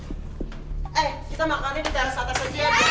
eh kita makan di taras atas aja